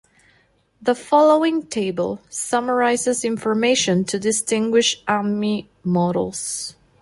The following table summarises information to distinguish Ami Models.